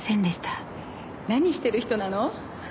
何してる人なの？